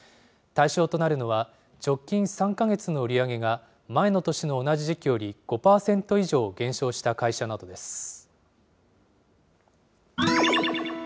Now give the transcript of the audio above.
対象となるのは、直近３か月の売り上げが、前の年の同じ時期より５％以上減少した会社などです。